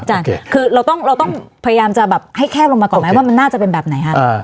อ่าโอเคคือเราต้องเราต้องพยายามจะแบบให้แคบลงมาก่อนไหมว่ามันน่าจะเป็นแบบไหนฮะอ่า